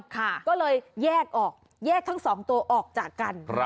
มันก็ต้องเทเลยแยกออกแยกทั้งสองตัวออกจากกัน